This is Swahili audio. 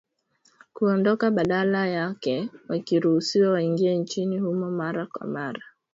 kuondoka badala yake wakiruhusiwa waingie nchini humo mara kwa mara